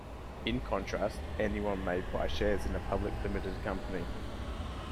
In contrast, anyone may buy shares in a public limited company.